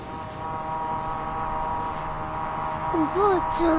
おばあちゃん。